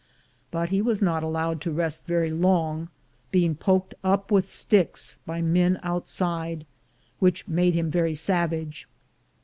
But he was not allowed to rest very long, being poked up with sticks by men outside, which made him very savage.